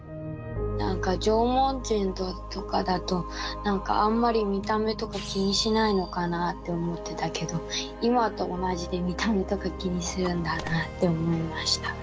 なんか縄文人とかだとなんかあんまり見た目とか気にしないのかなあって思ってたけど今と同じで見た目とか気にするんだなあって思いました。